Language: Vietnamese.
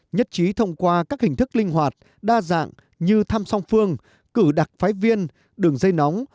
nhất trí thông qua các hình thức linh hoạt đa dạng như thăm song phương cử đặc phái viên đường dây nóng